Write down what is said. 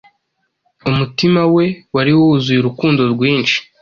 Umutima we wari wuzuye urukundo rwinshi